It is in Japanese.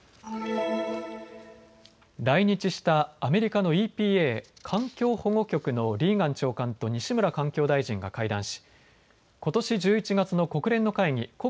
来日したアメリカのＥＰＡ・環境保護局のリーガン長官と西村環境大臣が会談し、ことし１１月の国連の会議